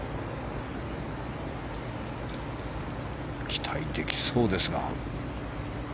期待できそうですが。